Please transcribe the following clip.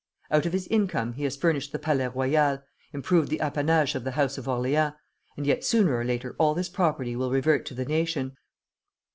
Out of his income he has furnished the Palais Royal, improved the apanages of the House of Orleans; and yet sooner or later all this property will revert to the nation.